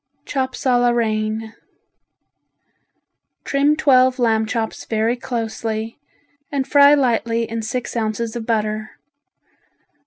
Chops a la Reine Trim twelve lamb chops very closely and fry lightly in six ounces of butter.